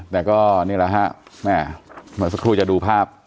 แต่ก็นี่แหละฮะแม่เมื่อสักครู่จะดูภาพ